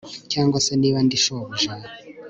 Cyangwa se niba ndi shobuja